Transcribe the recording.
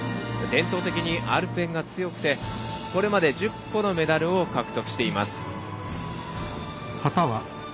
伝統的にアルペンが強くてこれまで１０個のメダルを獲得しています。